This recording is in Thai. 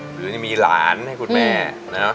หรือมีหลานให้คุณแม่นะ